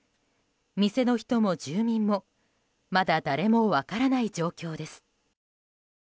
店の人も住民もまだ誰も分からない状況です。